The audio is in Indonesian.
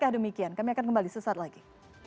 ya demikian kami akan kembali sesaat lagi